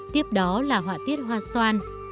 tiếp đó là hoa tiết hoa xoan